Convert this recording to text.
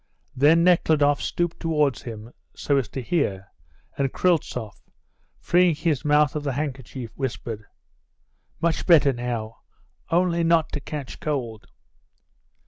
Then Nekhludoff stooped towards him, so as to hear, and Kryltzoff, freeing his mouth of the handkerchief, whispered: "Much better now. Only not to catch cold."